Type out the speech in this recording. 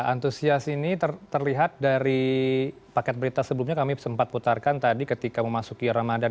antusias ini terlihat dari paket berita sebelumnya kami sempat putarkan tadi ketika memasuki ramadan